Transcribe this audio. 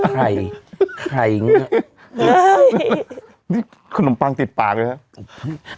ใครใครเนี้ยนี่ขนมปังติดปากเลยฮะ